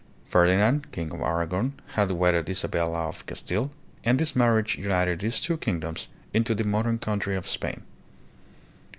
Ferdinand, king of Aragon, had wedded Isabella of Castile, and this marriage united these two kingdoms into the modern country of Spain.